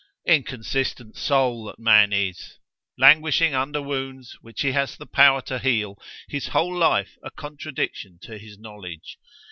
——Inconsistent soul that man is!——languishing under wounds, which he has the power to heal!—his whole life a contradiction to his knowledge!